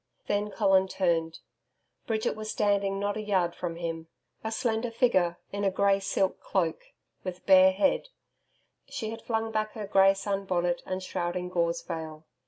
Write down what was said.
Then Colin turned. Bridget was standing not a yard from him. A slender figure in a grey silk cloak, with bare head she had flung back her grey sun bonnet and shrouding gauze veil....